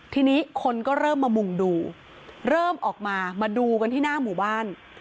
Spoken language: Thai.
ทีนี้คนก็เริ่มมามุ่งดูเริ่มออกมามาดูกันที่หน้าหมู่บ้าน